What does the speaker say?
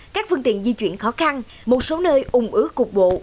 các phương tiện di chuyển khó khăn một số nơi ủng ứa cục bộ